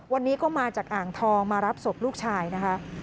วันนี้ก็มาจากอ่างทองมารับศพลูกชายนะคะ